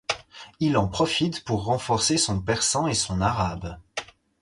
Il en profite pour renforcer son persan et son arabe.